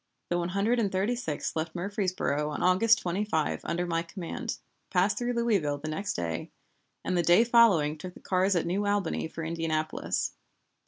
The One Hundred and Thirty sixth left Murfreesboro on August 25 under my command, passed through Louisville the next day, and the day following took the cars at New Albany for Indianapolis.